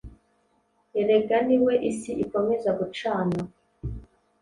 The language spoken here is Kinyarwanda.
Erega ni we isi ikomeza gucana